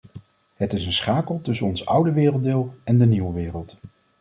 Het is een schakel tussen ons oude werelddeel en de nieuwe wereld.